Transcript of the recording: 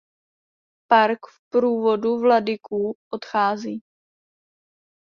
Pak v průvodu vladyků odchází.